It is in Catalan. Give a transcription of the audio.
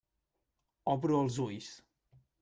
Obro els ulls.